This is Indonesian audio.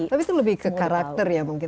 tapi saya lebih ke karakter ya mungkin